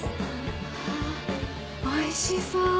わあおいしそう。